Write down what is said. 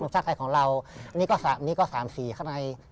ทรงชาติไทยของเราอันนี้ก็๓สีข้างใน